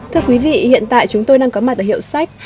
thưa quý vị hiện tại chúng tôi đang có mặt ở hiệu sách